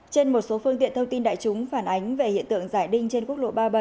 trên một số phương tiện thông tin đại chúng phản ánh về hiện tượng giải đinh trên quốc lộ ba mươi bảy